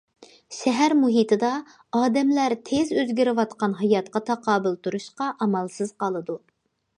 شەھەر مۇھىتىدا ئادەملەر تېز ئۆزگىرىۋاتقان ھاياتقا تاقابىل تۇرۇشقا ئامالسىز قالىدۇ.